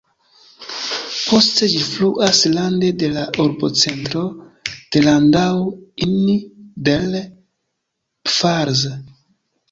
Poste ĝi fluas rande de la urbocentro de Landau in der Pfalz.